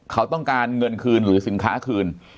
เขาต้องการเงินคืนหรือสินค้าคืน